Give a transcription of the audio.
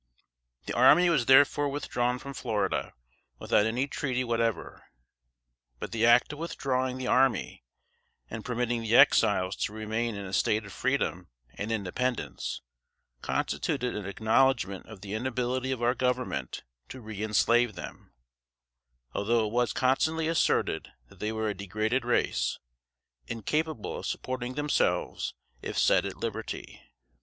The army was therefore withdrawn from Florida, without any treaty whatever. But the act of withdrawing the army and permitting the Exiles to remain in a state of freedom and independence, constituted an acknowledgment of the inability of our Government to reënslave them, although it was constantly asserted that they were a degraded race, incapable of supporting themselves if set at liberty.